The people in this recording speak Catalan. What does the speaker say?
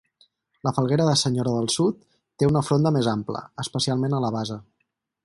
La falguera de senyora del sud té una fronda més ampla, especialment a la base.